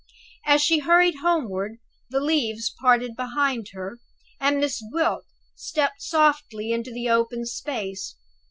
As she hurried homeward, the leaves parted behind her, and Miss Gwilt stepped softly into the open space.